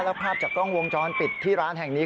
แล้วภาพจากกล้องวงจรปิดที่ร้านแห่งนี้